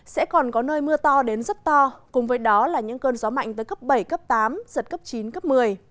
sẽ còn có nơi mưa to đến rất to cùng với đó là những cơn gió mạnh tới cấp bảy cấp tám giật cấp chín cấp một mươi